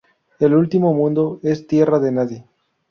El último mundo es tierra de nadie.